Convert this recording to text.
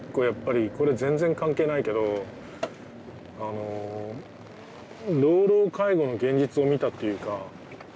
やっぱりこれ全然関係ないけどあの老老介護の現実を見たっていうか。